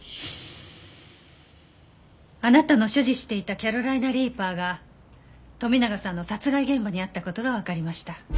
あなたの所持していたキャロライナ・リーパーが富永さんの殺害現場にあった事がわかりました。